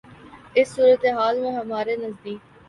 اس صورتِ حال میں ہمارے نزدیک